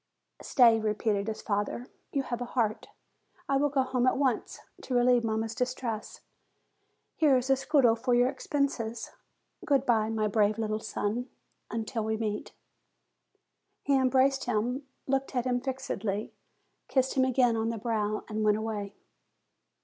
"Stay," repeated his father: "you have a heart. I will go home at once, to relieve mamma's distress. Here is a scudo for your expenses. Good bye, my brave little son, until we meet!" He embraced him, looked at him fixedly, kissed him again on the brow, and went away.